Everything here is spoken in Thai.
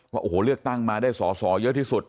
ว่าโอ้โหเลือกตั้งมาได้สอสอเยอะที่สุด